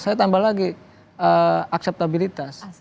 saya tambah lagi akseptabilitas